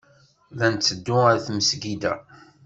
La nteddu ar tmesgida.